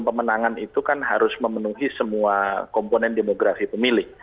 dan pemenangan itu kan harus memenuhi semua komponen demografi pemilih